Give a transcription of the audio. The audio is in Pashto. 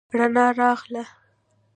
رڼا راغله